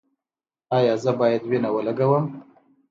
ایا زه باید وینه ولګوم؟